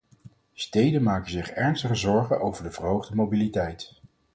Steden maken zich ernstige zorgen over de verhoogde mobiliteit.